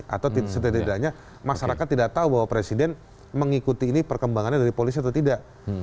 atau setidaknya masyarakat tidak tahu bahwa presiden mengikuti ini perkembangannya dari polisi atau tidak